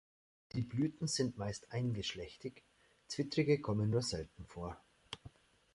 Die Blüten sind meist eingeschlechtig, zwittrige kommen nur selten vor.